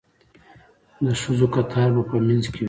د ښځو کتار به په منځ کې وي.